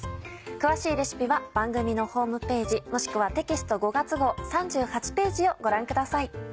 詳しいレシピは番組のホームページもしくはテキスト５月号３８ページをご覧ください。